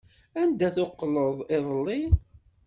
Anda teqqleḍ iḍelli?